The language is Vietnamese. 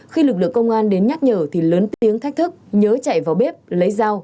khi lực lượng công an đến nhắc nhở thì lớn tiếng thách thức nhớ chạy vào bếp lấy dao